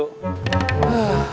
ditunggu sama kang serena